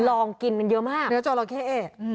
ลองกินมันเยอะมากเนื้อจอราเข้